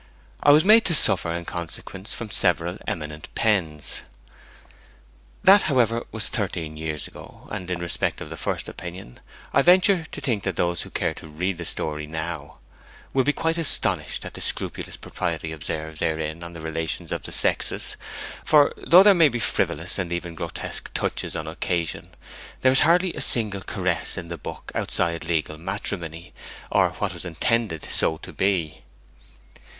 I was made to suffer in consequence from several eminent pens. That, however, was thirteen years ago, and, in respect of the first opinion, I venture to think that those who care to read the story now will be quite astonished at the scrupulous propriety observed therein on the relations of the sexes; for though there may be frivolous, and even grotesque touches on occasion, there is hardly a single caress in the book outside legal matrimony, or what was intended so to be.